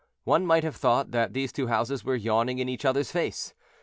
One might have thought that these two houses were yawning in each other's face.